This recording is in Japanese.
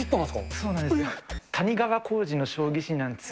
そうなんですよ。